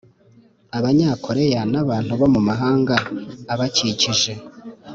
abanyakoreya n’abantu bo mu mahanga abakikije